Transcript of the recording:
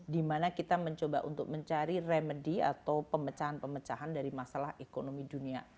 dimana kita mencoba untuk mencari remedy atau pemecahan pemecahan dari masalah ekonomi dunia